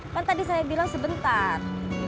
kan tadi saya bilang sebentar